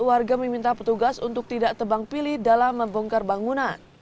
warga meminta petugas untuk tidak tebang pilih dalam membongkar bangunan